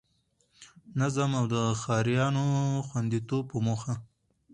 نظم او د ښاريانو د خوندیتوب په موخه